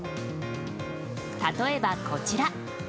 例えば、こちら。